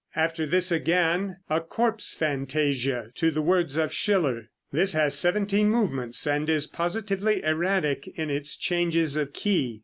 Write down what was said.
After this again, a "Corpse Fantasia" to words of Schiller. This has seventeen movements, and is positively erratic in its changes of key.